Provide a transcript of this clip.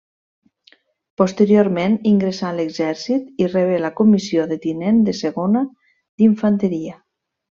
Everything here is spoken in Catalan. Posteriorment ingressà a l'Exèrcit i rebé la comissió de tinent de segona d'infanteria.